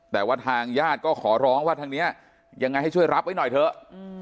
แต่ว่าทางญาติก็ขอร้องว่าทางนี้ยังไงให้ช่วยรับไว้หน่อยเถอะ